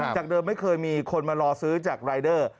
จากเดิมไม่เคยมีคนมารอซื้อจากรายเดอร์